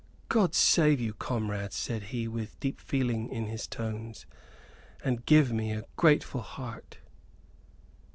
"God save you, comrades," said he, with deep feeling in his tones, "and give me a grateful heart."